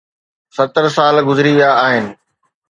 ستر سال گذري ويا آهن.